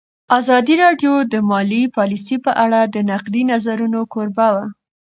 ازادي راډیو د مالي پالیسي په اړه د نقدي نظرونو کوربه وه.